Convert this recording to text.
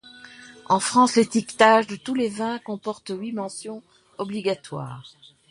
En France, l’étiquetage de tous les vins comporte huit mentions obligatoires.